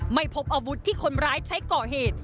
ไม่พบอาวุธที่คนร้ายใช้ก่อเหตุ